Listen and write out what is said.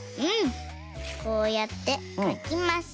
こうやってかきます。